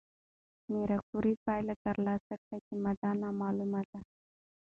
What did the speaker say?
ماري کوري پایله ترلاسه کړه چې ماده نامعلومه ده.